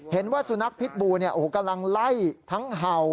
เห็นว่าสุนัขพิษบูกำลังไล่ทั้งเห่า